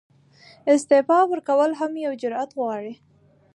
استعفاء ورکول هم یو جرئت غواړي.